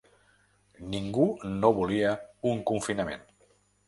Ningú no volia un confinament.